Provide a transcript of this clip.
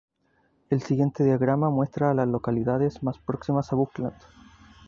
El siguiente diagrama muestra a las localidades más próximas a Buckland.